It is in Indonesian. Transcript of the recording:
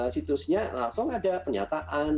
situsnya langsung ada pernyataan